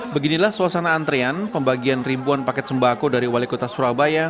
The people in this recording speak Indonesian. beginilah suasana antrean pembagian ribuan paket sembako dari wali kota surabaya